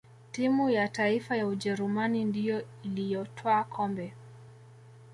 timu ya taifa ya ujerumani ndiyo iliyotwaa kombe